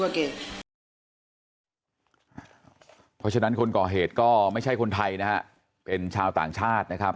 เพราะฉะนั้นคนก่อเหตุก็ไม่ใช่คนไทยนะฮะเป็นชาวต่างชาตินะครับ